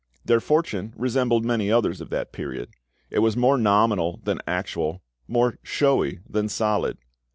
Their fortune resembled many others of that period: it was more nominal than actual, more showy than solid.